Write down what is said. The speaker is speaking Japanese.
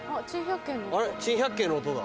あれ『珍百景』の音だ。